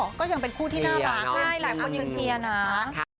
เพราะว่าคนที่ห่างมาก็ต้องมีระยะห่าง